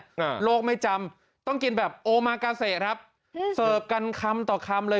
อ่าโลกไม่จำต้องกินแบบครับเซอร์ฟกันคำต่อคำเลย